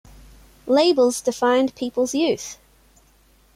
Labels defined people's youth.